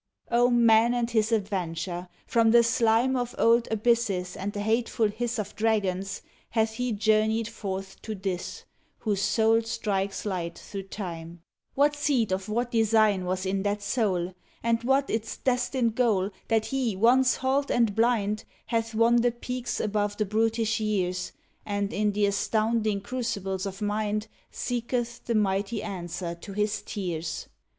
O man and his Adventure! From the slime Of old abysses and the hateful hiss Of dragons, hath he journeyed forth to this, Whose soul strikes light through Time. What seed of what Design was in that soul 9 1 ODE ON THE OPENING OF And what its destined goal, That he, once halt and blind, Hath won the peaks above the brutish years, And in the astounding crucibles of mind Seeketh the mighty answer to his tears?